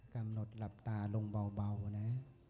กำหนดหลับตาลงเบานะ